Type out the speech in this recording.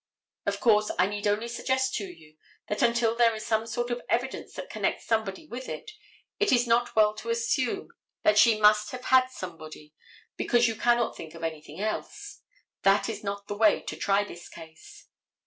Of course, I need only suggest to you that until there is some sort of evidence that connects somebody with it, it is not well to assume that she must have had somebody, because you cannot think of anything else. That is not the way to try this case.